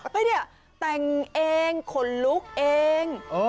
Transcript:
เฮ้ยเนี่ยแต่งเองขนลุกเอง